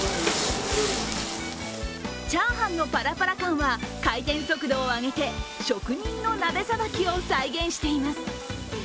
チャーハンのパラパラ感は回転速度を上げて職人の鍋さばきを再現しています。